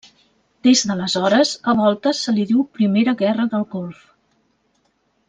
Des d'aleshores, a voltes se li diu primera guerra del Golf.